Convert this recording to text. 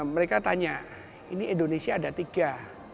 mereka tanya ini indonesia ada tiga